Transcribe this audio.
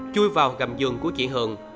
chui vào gầm giường của chị hường